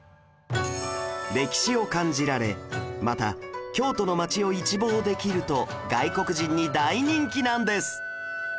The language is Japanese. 歴史を感じられまた京都の街を一望できると外国人に大人気なんです